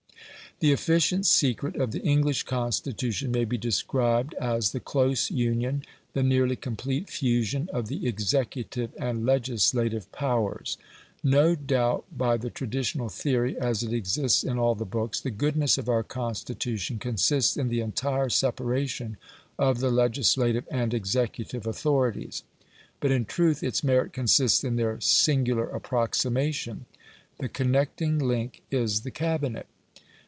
The efficient secret of the English Constitution may be described as the close union, the nearly complete fusion, of the executive and legislative powers. No doubt by the traditional theory, as it exists in all the books, the goodness of our constitution consists in the entire separation of the legislative and executive authorities, but in truth its merit consists in their singular approximation. The connecting link is the Cabinet.